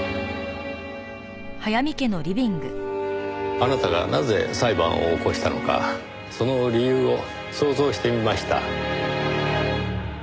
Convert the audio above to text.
あなたがなぜ裁判を起こしたのかその理由を想像してみました。